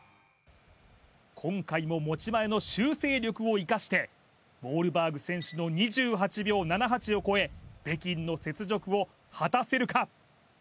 今回も持ち前の修正力を生かしてウォールバーグ選手の２８秒７８を超え北京の雪辱を果たせるか？